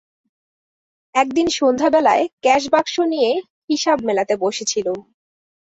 একদিন সন্ধ্যাবেলায় ক্যাশবাক্স নিয়ে হিসেব মেলাতে বসেছিলুম।